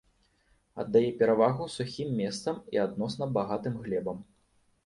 Аддае перавагу сухім месцам і адносна багатым глебам.